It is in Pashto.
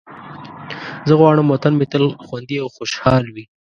زه غواړم وطن مې تل خوندي او خوشحال وي.